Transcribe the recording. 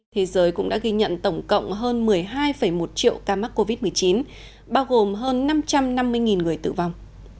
thế giới cũng đã ghi nhận tổng cộng hơn một mươi hai một triệu ca mắc covid một mươi chín bao gồm hơn năm trăm năm mươi người tử vong